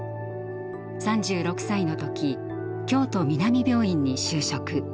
３６歳の時京都南病院に就職。